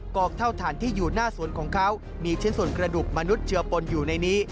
อกเท่าฐานที่อยู่หน้าสวนของเขามีชิ้นส่วนกระดูกมนุษย์เจือปนอยู่ในนี้